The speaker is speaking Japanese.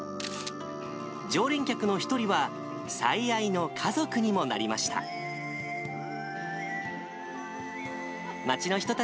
常連客の一人は、最愛の家族にもなりました。